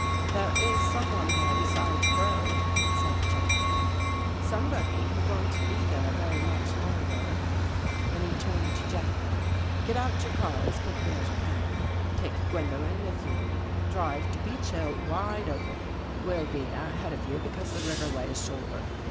" There is someone there besides Crow," said Jeffrey. " Somebody who won't be there very much longer." Then he turned to Jack. " Get out your car as 270 A QUESTION OF CENTIMETERS quickly as you can. Take Gwendolen with you. Drive to Beech Hill, wide open. We'll be there ahead of you because the river way's shorter.